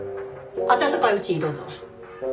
温かいうちにどうぞ。